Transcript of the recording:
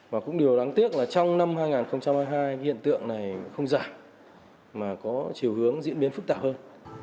và cũng điều đáng tiếc là trong năm hai nghìn hai mươi hai hiện tượng này không giảm mà có chiều hướng diễn biến phức tạp hơn